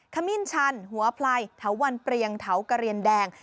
ขมิ้นชันหัวไพรเถาวันเปรียงเถากระเรียนแดง